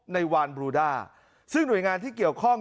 วานบลูด้าซึ่งหน่วยงานที่เกี่ยวข้อง